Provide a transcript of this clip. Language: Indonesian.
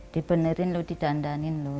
dibenerin lho didandanin lho